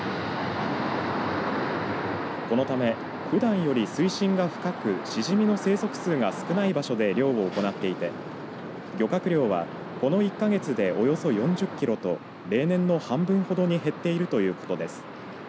このため、ふだんより水深が深く、シジミの生息数が少ない場所で漁を行っていて漁獲量は、この１か月でおよそ４０キロと例年の半分ほどに減っているということです。